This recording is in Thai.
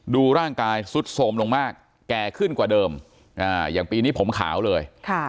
ดูร่างกายสุดโทรมลงมากแก่ขึ้นกว่าเดิมอย่างปีนี้ผมขาวเลย